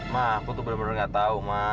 ma aku tuh bener bener nggak tahu ma